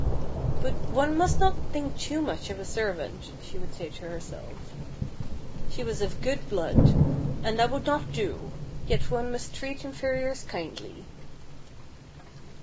"But one must not think too much of a servant," she would say to herself. "She was of good blood, and that would not do, yet one must treat inferiors kindly."